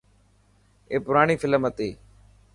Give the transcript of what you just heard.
اي پراڻي فلم هتي.